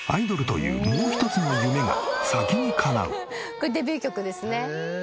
これデビュー曲ですね。